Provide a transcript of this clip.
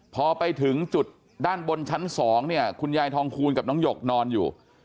พอไปถึงจุดด้านบนชั้น๒เนี่ยคุณยายทองคูณกับน้องหยกนอนอยู่